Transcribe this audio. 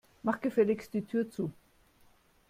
Mach gefälligst die Tür zu.